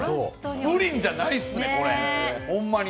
プリンじゃないですね、ホンマに。